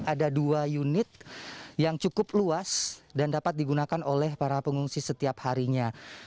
ada dua unit yang cukup luas dan dapat digunakan oleh para pengungsi setiap harinya